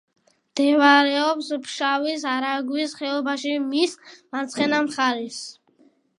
მდებარეობს ფშავის არაგვის ხეობაში, მის მარცხენა მხარეს.